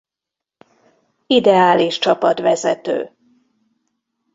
Ideális csapatvezető.